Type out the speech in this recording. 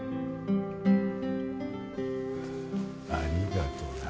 ありがとな。